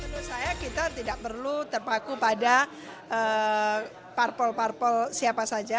menurut saya kita tidak perlu terpaku pada parpol parpol siapa saja